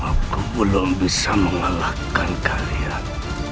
aku belum bisa mengalahkan kalian